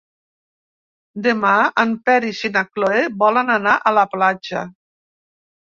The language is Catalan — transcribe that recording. Demà en Peris i na Cloè volen anar a la platja.